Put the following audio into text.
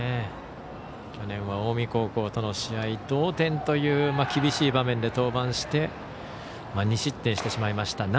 去年は近江高校との試合同点という厳しい場面で登板して２失点してしまいました。